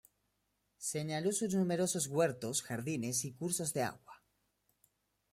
Señaló sus numerosos huertos, jardines y cursos de agua.